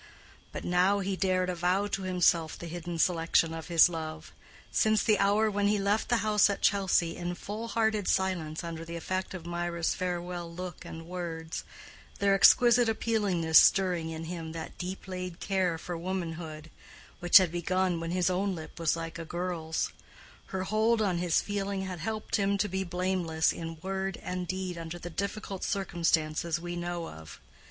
But now he dared avow to himself the hidden selection of his love. Since the hour when he left the house at Chelsea in full hearted silence under the effect of Mirah's farewell look and words—their exquisite appealingness stirring in him that deep laid care for womanhood which had begun when his own lip was like a girl's—her hold on his feeling had helped him to be blameless in word and deed under the difficult circumstances we know of.